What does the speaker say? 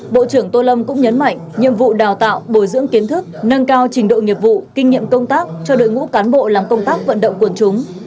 bộ trưởng tô lâm cũng nhấn mạnh nhiệm vụ đào tạo bồi dưỡng kiến thức nâng cao trình độ nghiệp vụ kinh nghiệm công tác cho đội ngũ cán bộ làm công tác vận động quần chúng